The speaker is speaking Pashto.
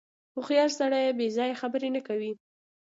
• هوښیار سړی بېځایه خبرې نه کوي.